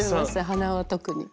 鼻は特に。